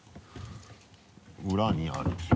裏にある。